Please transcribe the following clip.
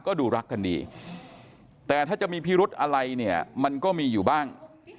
ก็ดูรักกันดีแต่ถ้าจะมีพิรุธอะไรเนี่ยมันก็มีอยู่บ้าง